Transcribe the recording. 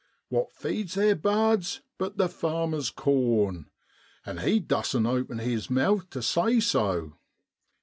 What feeds theer bards but the farmer's corn ? an' he dussn't open his mouth tu say so!